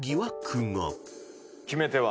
決め手は？